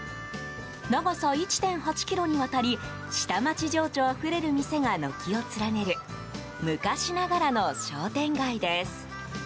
長さ１．８ｋｍにわたり下町情緒あふれる店が軒を連ねる昔ながらの商店街です。